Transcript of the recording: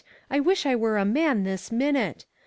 I wish I were a man this minute.